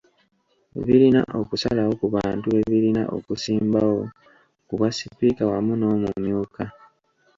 Birina okusalawo ku bantu be birina okusimbawo ku bwasipiika wamu n'omumyuka